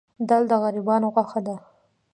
دال د غریبانو غوښه ده.